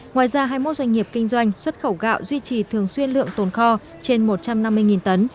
ngoài ra hai mươi một doanh nghiệp kinh doanh xuất khẩu gạo duy trì thường xuyên lượng tồn kho trên một trăm năm mươi tấn